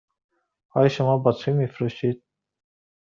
آیا شما باطری می فروشید؟